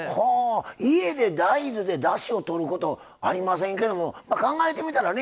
家で大豆でだしをとることありませんけど考えてみたらね